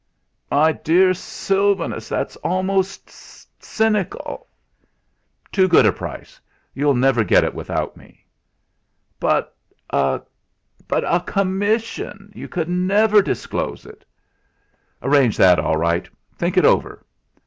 "My dear Sylvanus, that's almost cynical." "Too good a price you'll never get it without me." "But a but a commission! You could never disclose it!" "Arrange that all right. Think it over.